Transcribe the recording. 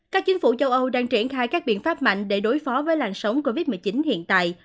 các chính phủ châu âu đang triển khai các biện pháp mạnh để đối phó với làn sóng covid một mươi chín hiện tại